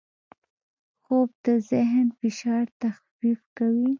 خوب د ذهن فشار تخفیف کوي